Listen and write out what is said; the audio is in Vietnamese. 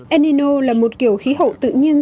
el nino là một kiểu khí hậu tự nhiên